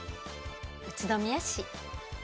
宇都宮市。